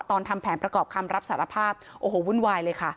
ทำแผนประกอบคำรับสารภาพโอ้โหวุ่นวายเลยค่ะ